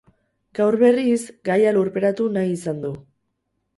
Gaur berriz, gaia lurperatu nahi izan du.